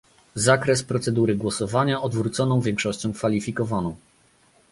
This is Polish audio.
zakres procedury głosowania odwróconą większością kwalifikowaną